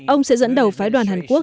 ông sẽ dẫn đầu phái đoàn hàn quốc